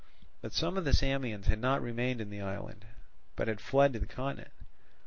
But some of the Samians had not remained in the island, but had fled to the continent.